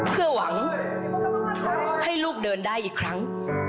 เพื่อหวังให้ลูกเดินได้อีกครั้ง